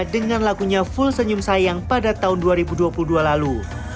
dengan lagunya full senyum sayang pada tahun dua ribu dua puluh dua lalu